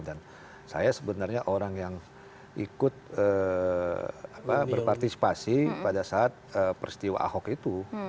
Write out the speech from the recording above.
dan saya sebenarnya orang yang ikut berpartisipasi pada saat peristiwa ahok itu